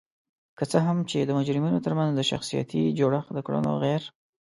که څه هم چې د مجرمینو ترمنځ د شخصیتي جوړخت د کړنو غیر